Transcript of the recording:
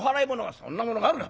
「そんなものがあるか。